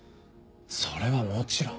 それはもちろん。